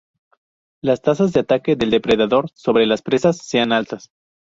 Las tasas de ataque del depredador sobre las presas sean altas.